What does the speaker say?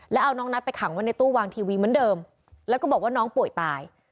แล้วเอาน้องนัทไปขังไว้ในตู้วางทีวีเหมือนเดิมแล้วก็บอกว่าน้องป่วยตาย